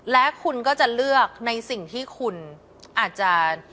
และคุณก็จะเลือกในสิ่งที่คุณอาจจะ